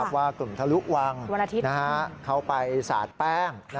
ว่ากลุ่มทะลุวังเขาไปสาดแป้ง